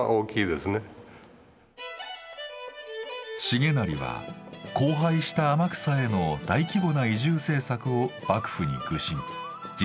重成は荒廃した天草への大規模な移住政策を幕府に具申実現させます。